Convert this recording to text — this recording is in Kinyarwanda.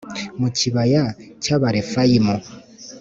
mu kibaya cy’Abarefayimu: